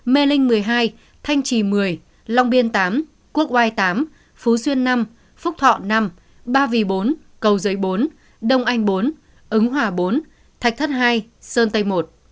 mê linh một mươi hai thanh trì một mươi long biên tám quốc oai tám phú xuyên năm phúc thọ năm ba vì bốn cầu giấy bốn đông anh bốn ứng hòa bốn thạch thất ii sơn tây một